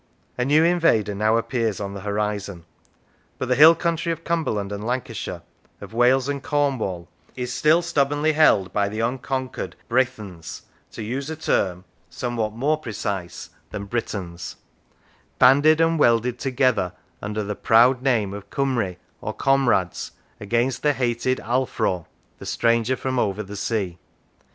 A new invader now appears on the horizon, but the hill country of Cumberland and Lancashire, of Wales and of Cornwall, is still stubbornly held by the unconquered Brythons (to use a term somewhat more 53 Lancashire precise than Britons), banded and welded together under the proud name of Cymri, or comrades, against the hated Allfro, the stranger from over the sea.